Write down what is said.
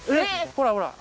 ほらほら。